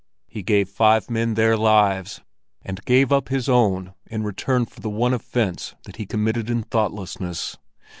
He gave five men their lives and gave up his own in return for the one offense that he committed in thoughtlessness!